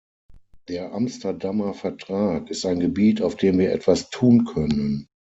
Der Amsterdamer Vertrag ist ein Gebiet, auf dem wir etwas tun können.